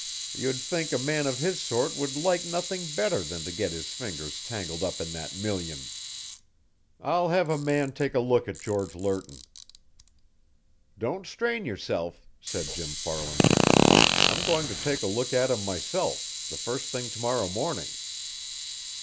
You'd think a man of his sort would like nothing better than to get his fingers tangled up in that million." "I'll have a man take a look at George Lerton." "Don't strain yourself," said Jim Farland. "I'm going to take a look at him myself, the first thing to morrow morning."